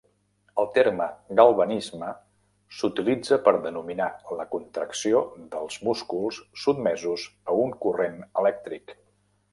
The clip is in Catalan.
El terme galvanisme s'utilitza per denominar la contracció dels músculs sotmesos a un corrent elèctric.